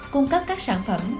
cung cấp các sản phẩm